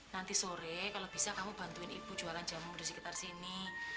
nanti sore kalau bisa kamu bantuin ibu jualan jamu di sekitar sini